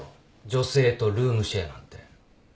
女性とルームシェアなんて。